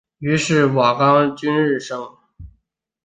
于是瓦岗军日盛。